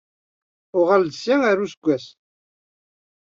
Uɣal-d ssya ɣer useggas!